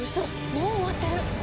もう終わってる！